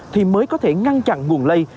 thì mới có thể ngăn chặn nguồn lây